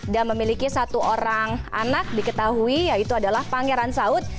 dan memiliki satu orang anak diketahui yaitu adalah pangeran saud